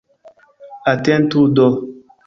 Atentu do.